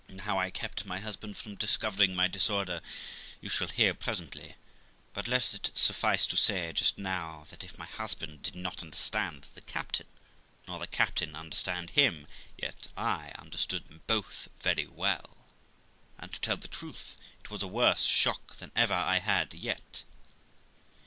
How I kept my husband from discovering my disorder you shall hear presently; but let it suffice to say just now, that if my husband did not understand the captain, nor the captain understand himself, yet I understood them both very well ; and, to tell the truth, it was a worse shock than ever I had yet.